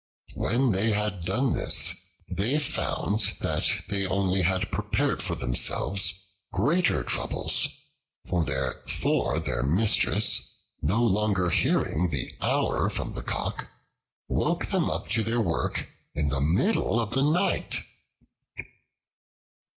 When they had done this, they found that they had only prepared for themselves greater troubles, for their mistress, no longer hearing the hour from the cock, woke them up to their work in the middle of the night.